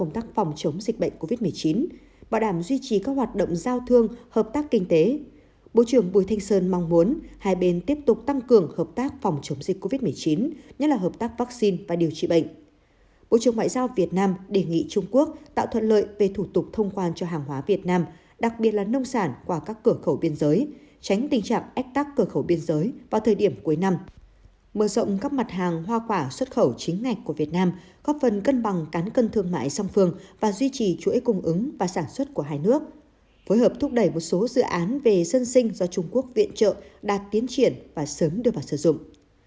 tránh tình trạng ách tắc cửa khẩu biên giới vào thời điểm cuối năm mở rộng các mặt hàng hoa quả xuất khẩu chính ngạch của việt nam góp phần cân bằng cán cân thương mại song phương và duy trì chuỗi cung ứng và sản xuất của hai nước phối hợp thúc đẩy một số dự án về dân sinh do trung quốc viện trợ đạt tiến triển và sớm đưa vào sử dụng